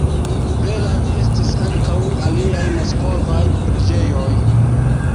Belaj estis ankaŭ aliaj moskvaj preĝejoj.